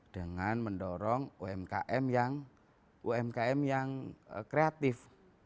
dengan mendorong umkm yang kreatif